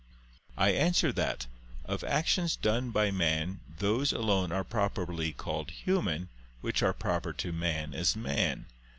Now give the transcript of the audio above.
I answer that, Of actions done by man those alone are properly called "human," which are proper to man as man.